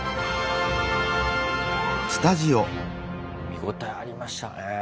見応えありましたねぇ。